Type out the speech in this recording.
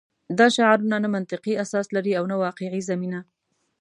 دا شعارونه نه منطقي اساس لري او نه واقعي زمینه